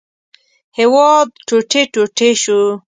هېواد ټوټې ټوټې شو.